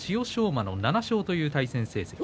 馬が７勝という対戦成績。